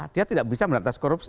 dia tidak bisa menatap korupsi